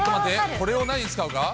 これを何に使うか？